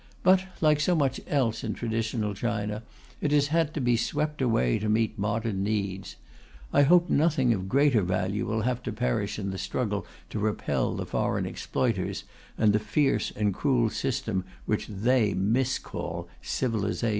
But, like so much else in traditional China, it has had to be swept away to meet modern needs. I hope nothing of greater value will have to perish in the struggle to repel the foreign exploiters and the fierce and cruel system which they miscall civilization.